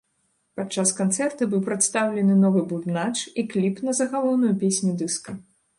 Падчас канцэрта быў прадстаўлены новы бубнач і кліп на загалоўную песню дыска.